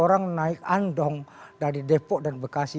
orang naik andong dari depok dan bekasi